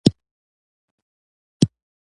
که نران یو، یو ګوند دې فعالیت وکړي؟ چې څه ورسره کیږي